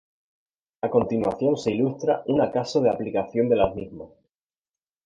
A continuación se ilustra una caso de aplicación de las mismas.